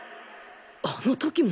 あの時も！